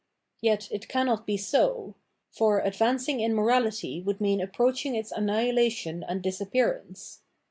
Yet it cannot be so ; for advancing in morality would mean approaching its annihilation and disappearance.